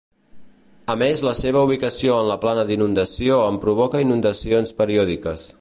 A més la seva ubicació en la plana d'inundació en provoca inundacions periòdiques.